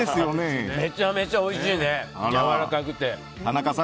めちゃめちゃおいしいねやわらかくて。